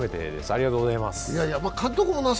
ありがとうございます。